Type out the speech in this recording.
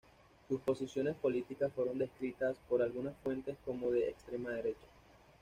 Sus posiciones políticas fueron descritas, por algunas fuentes, como de extrema derecha.